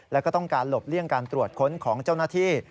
แล้วก็ต้องการหลบเลี่ยงการตรวจค้นของเจ้าหน้าที่